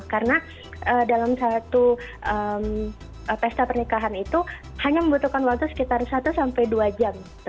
karena dalam satu pesta pernikahan itu hanya membutuhkan waktu sekitar satu sampai dua jam gitu